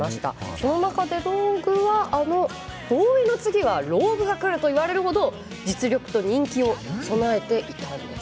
その中でＲＯＧＵＥはあのＢＯＷＹの次はＲＯＧＵＥがくると言われるほど実力と人気を備えていたんです。